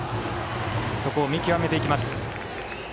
そこを見極めていきます。